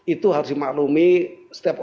itu harus dimaklumi setiap